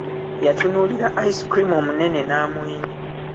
Yaatunuulira ice cream omunene n'amwenya.